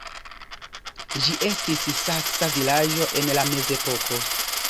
Ĝi estis saksa vilaĝo en la mezepoko.